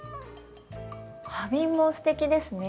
花瓶もすてきですね。